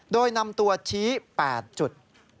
โดยนำตัวชี้๘จุด